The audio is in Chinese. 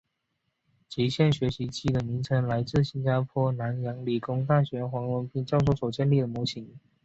极限学习机的名称来自新加坡南洋理工大学黄广斌教授所建立的模型。